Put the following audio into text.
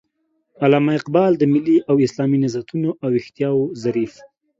علامه اقبال د ملي او اسلامي نهضتونو او ويښتياو ظريف